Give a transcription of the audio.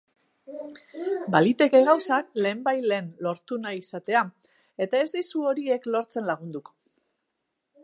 Baliteke gauzak lehenbailehen lortu nahi izatea, eta ez dizu horiek lortzen lagunduko.